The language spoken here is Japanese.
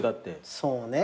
そうね。